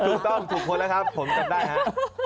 ถูกต้องถูกคนแล้วครับผมจำได้ครับ